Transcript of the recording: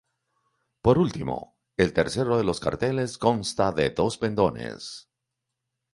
Por último, el tercero de los cuarteles consta de dos pendones.